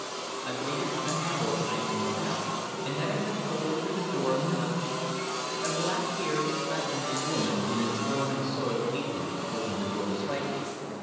I waited an hour idling about, and then I went boldly to the door, and knocked. A black haired, slatternly woman in a torn and soiled apron opened the door slightly.